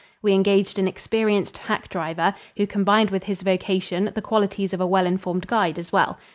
We engaged an experienced hack driver, who combined with his vocation the qualities of a well informed guide as well.